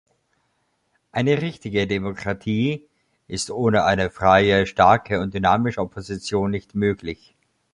Eine richtige Demokratie ist ohne eine freie, starke und dynamische Opposition nicht möglich.